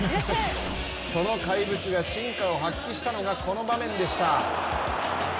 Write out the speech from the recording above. その怪物が真価を発揮したのがこの場面でした。